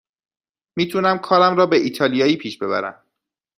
می تونم کارم را به ایتالیایی پیش ببرم.